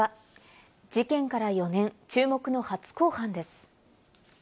事件から４年、注目の初公判です。